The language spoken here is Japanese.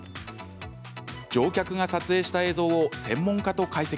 乗客が撮影した映像を専門家と解析。